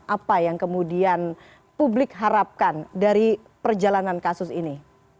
apa yang kemudian publik harapkan dari perjalanan kasus ini